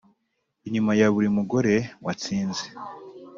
inyuma ya buri mugore watsinze,